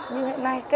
như hiện nay